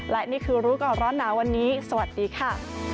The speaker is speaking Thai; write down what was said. และนี่คือรู้ก่อนร้อนหนาวันนี้สวัสดีค่ะ